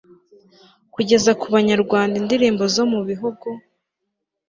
kugeza ku banyarwanda indirimbo zo mu bihugu